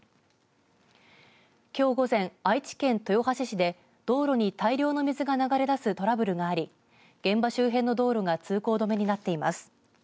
きょう午前、愛知県豊橋市で道路に大量の水が流れ出すトラブルがあり現場周辺の道路が通行止めになっています。